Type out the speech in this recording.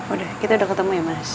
udah kita udah ketemu ya mas